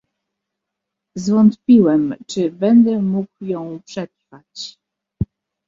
"Zwątpiłem czy będę mógł ją przetrwać."